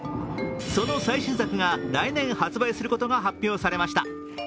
その最新作が来年、発売されることが発表されました。